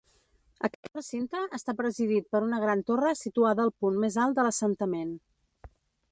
Aquest recinte està presidit per una gran torre situada al punt més alt de l'assentament.